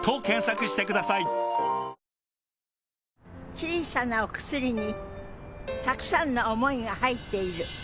小さなお薬にたくさんの想いが入っている。